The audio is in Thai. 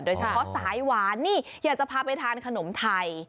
โดยเฉพาะสายหวานนี่อยากจะพาไปทานขนมไทย